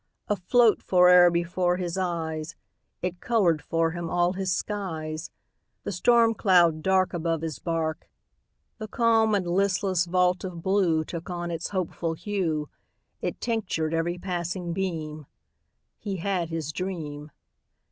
Afloat fore'er before his eyes, It colored for him all his skies: The storm cloud dark Above his bark, The calm and listless vault of blue Took on its hopeful hue, It tinctured every passing beam He had his dream.